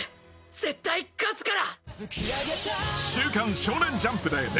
絶対勝つから！